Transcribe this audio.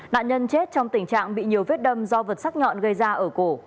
nạn nhân chết trong tình trạng bị nhiều vết đâm do vật sắc nhọn gây ra ở cổ